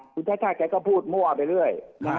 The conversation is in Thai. คุณชาติชาติแกก็พูดมั่วไปเรื่อย